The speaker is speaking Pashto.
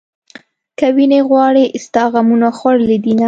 که وينې غواړې ستا غمو خوړلې دينه